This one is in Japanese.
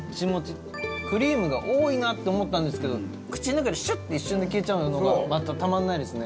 クリームが多いなって思ったんですけど口の中で、シュッて一瞬で消えちゃうのがまた、たまんないですね。